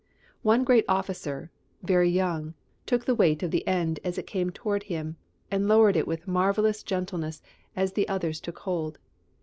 One great officer, very young, took the weight of the end as it came toward him, and lowered it with marvellous gentleness as the others took hold.